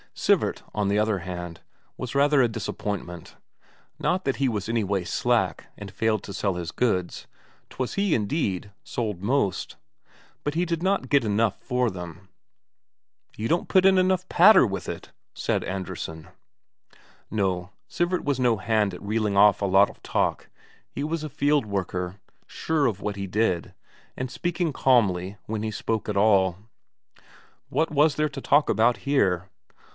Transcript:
Sivert, on the other hand, was rather a disappointment. Not that he was any way slack, and failed to sell his goods 'twas he, indeed, sold most but he did not get enough for them. "You don't put in enough patter with it," said Andresen. No, Sivert was no hand at reeling off a lot of talk; he was a fieldworker, sure of what he said, and speaking calmly when he spoke at all. What was there to talk about here?